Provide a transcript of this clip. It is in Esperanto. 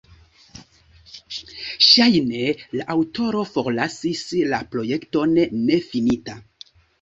Ŝajne la aŭtoro forlasis la projekton nefinita.